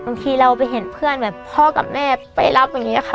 บางทีเราไปเห็นเพื่อนแบบพ่อกับแม่ไปรับอย่างนี้ค่ะ